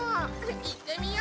いってみよう！